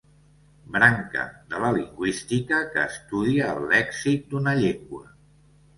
Branca de la lingüística que estudia el lèxic d'una llengua.